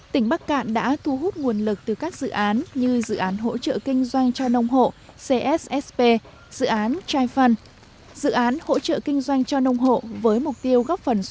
tỉnh bắc cạn đã thu hút nguồn lực từ các dự án như dự án hỗ trợ kinh doanh cho nông hộ cssp dự án chai phân